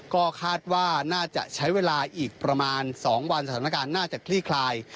ก็คาดว่าน่าจะใช้เวลาอีกประมาณ๒วันสถานการณ์น่าจะคลี่คลาย